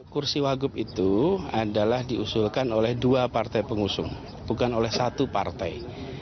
kursi wagup itu adalah diusulkan oleh dua partai pengusung bukan oleh satu partai